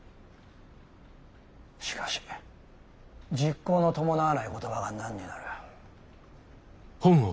しかし実行の伴わない言葉が何になる？